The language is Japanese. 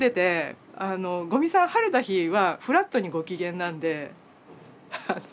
五味さん晴れた日はフラットにご機嫌なんで。